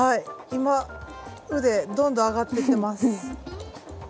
今腕どんどん上がっていってます。